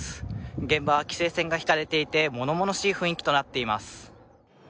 現場は規制線が敷かれていてものものしい雰囲気となっています。